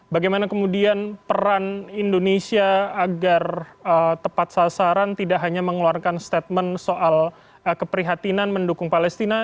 bagaimana kemudian peran indonesia agar tepat sasaran tidak hanya mengeluarkan statement soal keprihatinan mendukung palestina